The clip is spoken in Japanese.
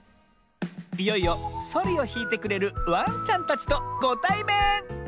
いよいよそりをひいてくれるワンちゃんたちとごたいめん！